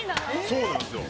そうなんですよ。